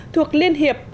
thuộc liên hiệp